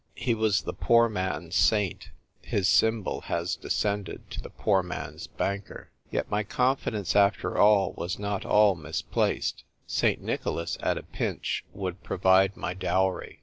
He was the poor man's saint; his symbol has descended to the poor man's banker. Yet my confidence after all was not all misplaced. St. Nicholas, at a pinch, would provide my dowry.